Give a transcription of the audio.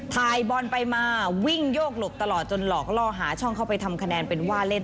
ถ่ายบอลไปมาวิ่งโยกหลบตลอดจนหลอกล่อหาช่องเข้าไปทำคะแนนเป็นว่าเล่น